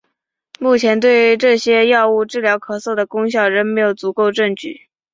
目前对于这些药物治疗咳嗽的功效仍没有足够证据。